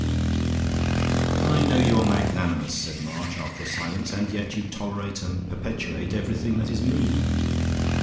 "I know you are magnanimous," said March after a silence, "and yet you tolerate and perpetuate everything that is mean."